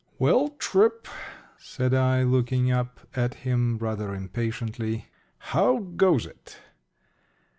"Well, Tripp," said I, looking up at him rather impatiently, "how goes it?"